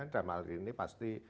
dan malah ini pasti